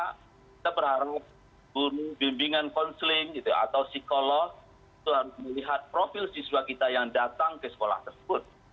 kita berharap guru bimbingan konseling atau psikolog itu harus melihat profil siswa kita yang datang ke sekolah tersebut